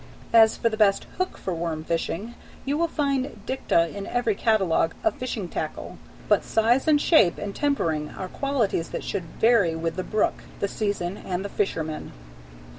As to the best hook for worm fishing, you will find dicta in every catalogue of fishing tackle, but size and shape and tempering are qualities that should vary with the brook, the season, and the fisherman.